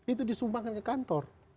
itu disumpahkan ke kantor